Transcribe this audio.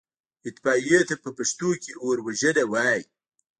اطفائيې ته په پښتو کې اوروژنه وايي.